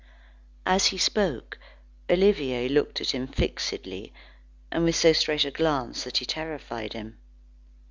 As he spoke, Olivier looked at him fixedly, and with so straight a glance that he terrified him.